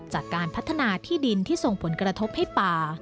จากการพัฒนาที่ดินที่ส่งผลกระทบให้ป่า